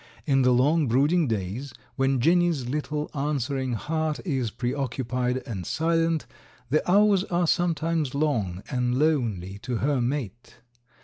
In the long brooding days, when Jenny's little answering heart is preoccupied and silent, the hours are sometimes long and lonely to her mate.